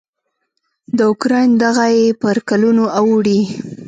د اوکراین دغه یې پر کلونو اوړي.